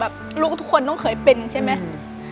ลูกทุกคนต้องเคยเป็นใช่ไหม